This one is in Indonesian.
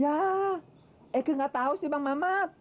ya eike nggak tau sih bang mamat